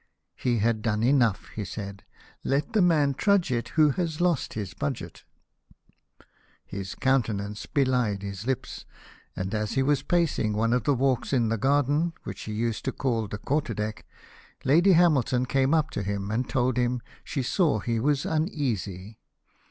" He had done enough," he said ;" let the man trudge it who has lost his budget !" His countenance behed his lips; and as he was pacing one of the walks in the garden, which he used to call the quarter deck, Lady Hamilton came up to him, and told him she saw he was uneasy.